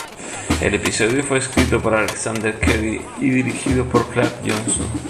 El episodio fue escrito por Alexander Cary, y dirigido por Clark Johnson.